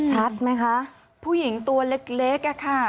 ชัดไหมคะผู้หญิงตัวเล็กอะค่ะ